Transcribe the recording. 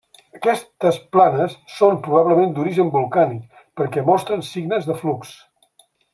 Aquestes planes són probablement d'origen volcànic perquè mostren signes de flux.